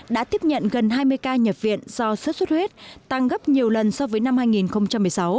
đã tiếp nhận gần hai mươi ca nhập viện do xuất xuất huyết tăng gấp nhiều lần so với năm hai nghìn một mươi sáu